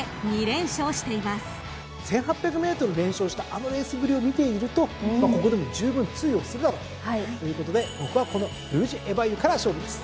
１，８００ｍ連勝したあのレースぶりを見ているとここでも十分通用するだろうということで僕はこのルージュエヴァイユから勝負です。